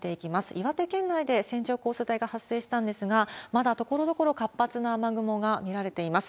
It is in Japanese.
岩手県内で線状降水帯が発生したんですが、まだところどころ活発な雨雲が見られています。